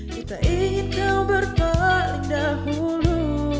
ku tak ingin kau berpaling dahulu